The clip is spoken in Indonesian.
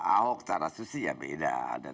ahok cara susi ya beda